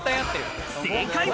正解は。